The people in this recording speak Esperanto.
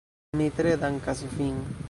Mi tre dankas vin.